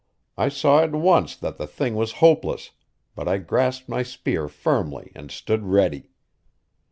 I saw at once that the thing was hopeless, but I grasped my spear firmly and stood ready.